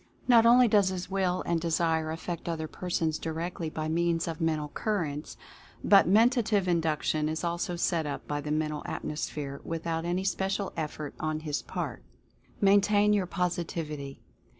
Not only does his Will and Desire affect other persons directly by means of Men tal Currents, but Mentative Induction is also set up by the Mental Atmosphere, without any special ef fort on his part. MAINTAIN YOUR POSITIVITY.